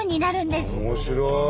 面白い！